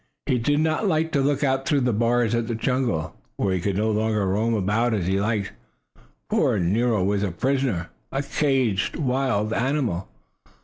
He did not like to look out through the bars at the jungle, when he could no longer roam about as he liked. Poor Nero was a prisoner a caged wild animal.